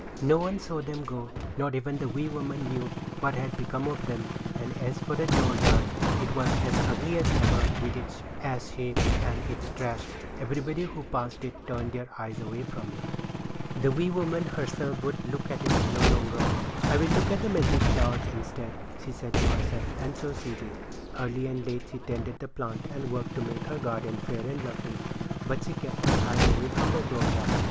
No one saw them go, not even the wee woman knew what had become of them; and as for the dooryard, it was as ugly as ever with its ash heap and its trash. Everybody who passed it turned their eyes away from it. [Illustration: WHILE SHE WAS WATCHING AND WAITING, THE FLOWER BURST INTO BLOOM.] The wee woman herself would look at it no longer. "I will look at the magic flower instead," she said to herself, and so she did. Early and late she tended the plant and worked to make her garden fair and lovely; but she kept her eyes from the dooryard.